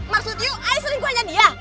maksud you i sering gue nanya dia